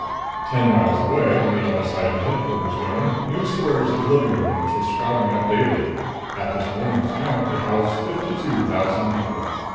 Ten miles away on the other side of Headquarters dome, new squares of living domes were sprouting up daily. At this morning's count they housed fifty two thousand people.